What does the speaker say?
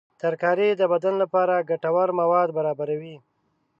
ترکاري د بدن لپاره ګټور مواد برابروي.